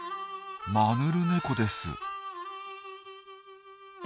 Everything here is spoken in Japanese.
マヌルネコです。